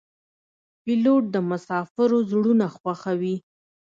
پیلوټ د مسافرو زړونه خوښوي.